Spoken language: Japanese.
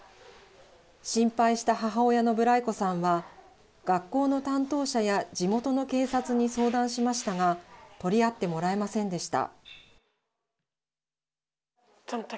心配した母親のブライコさんは学校の担当者や地元の警察に相談しましたが取り合ってもらえませんでした。